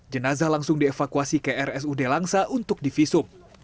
jenazah langsung dievakuasi krsud langsa untuk divisum